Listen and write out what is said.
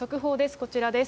こちらです。